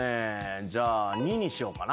じゃあ２にしようかな。